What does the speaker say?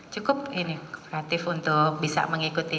cukup ini kreatif untuk bisa mengikuti